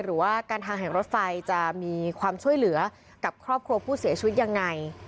หรือว่าการทางแห่งรถไฟจะมีความช่วยเหลือกับครอบครัวผู้เสียชีวิตยังไง